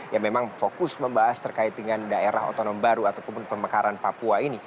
yang memang fokus membahas terkait dengan daerah otonom baru ataupun pemekaran papua ini